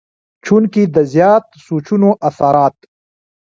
چونکه د زيات سوچونو اثرات